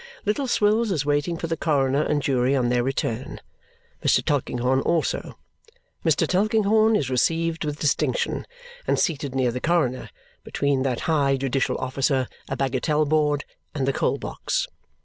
Little Swills is waiting for the coroner and jury on their return. Mr. Tulkinghorn, also. Mr. Tulkinghorn is received with distinction and seated near the coroner between that high judicial officer, a bagatelle board, and the coal box.